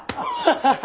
ハハハハ。